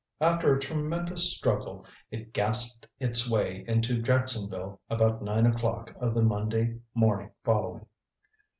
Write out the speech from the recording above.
After a tremendous struggle, it gasped its way into Jacksonville about nine o'clock of the Monday morning following.